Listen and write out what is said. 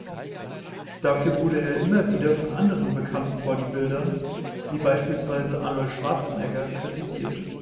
Dafür wurde er immer wieder von anderen bekannten Bodybuildern, wie beispielsweise Arnold Schwarzenegger kritisiert.